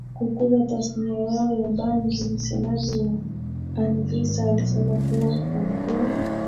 kukuza tasnia yao ya bangiMsemaji wa Anvisa alisema kuwa kampun